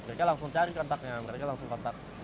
mereka lihat rentaknya mereka langsung rentak